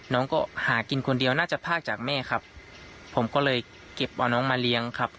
น้องก็หากินคนเดียวน่าจะภาคจากแม่ครับผมก็เลยเก็บเอาน้องมาเลี้ยงครับ